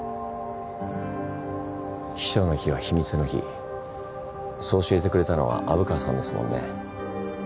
秘書の秘は秘密の秘そう教えてくれたのは虻川さんですもんね。